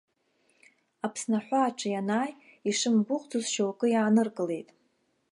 Аԥсны аҳәааҿы ианааи, ишымгәыӷӡоз шьоукы иааныркылеит.